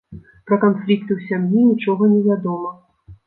Пра канфлікты ў сям'і нічога невядома.